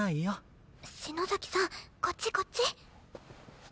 篠崎さんこっちこっち。